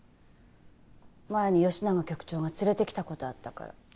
前に吉永局長が連れてきた事あったから。